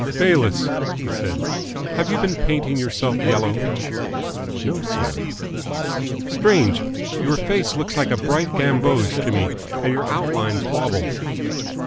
"Bayliss," he said, "have you been painting yourself yellow?" "No, sir." "Strange! Your face looks a bright gamboge to me, and your outlines wobble.